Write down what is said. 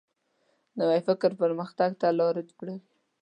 نوی فکر پرمختګ ته لاره جوړوي